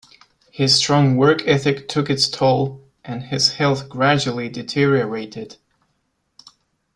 His strong work ethic took its toll, and his health gradually deteriorated.